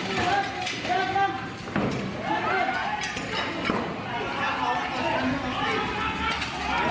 อ๋อเดี๋ยวไอ้น้อยะโอ๊ยโต๊ะเข้าไปออกมา